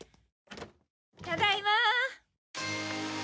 ただいま。